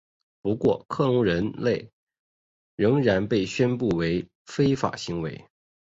不过克隆人类仍然被宣布为非法行为。